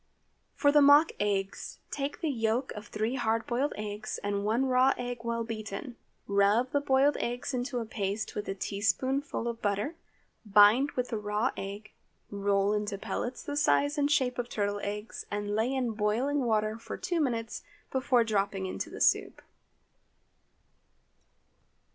For the mock eggs, take the yolks of three hard boiled eggs, and one raw egg well beaten. Rub the boiled eggs into a paste with a teaspoonful of butter, bind with the raw egg, roll into pellets the size and shape of turtle eggs, and lay in boiling water for two minutes before dropping into the soup.